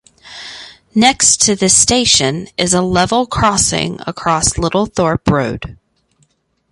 Next to the station is a level crossing across Littlethorpe Road.